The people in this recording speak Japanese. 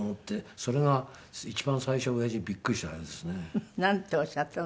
それが一番最初親父にびっくりしたあれですね。なんておっしゃったの？